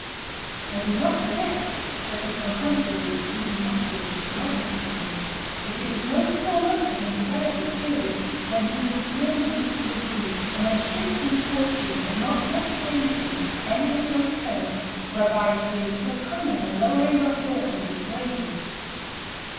"I do not forget," says his contemporary Stephen Pasquier in reference to him, "that it was no small luck for him to die at this period, when he was beyond reach of the breeze, and when shifting Fortune had not yet played him any of those turns whereby she is so cunning in lowering the horn of the bravest."